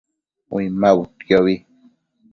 Uinmabudquiobi